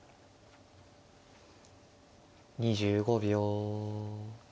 ２５秒。